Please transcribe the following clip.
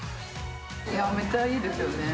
めっちゃいいですよね。